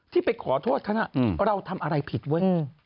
ไปขอโทษเขาน่ะเราทำอะไรผิดเว้ย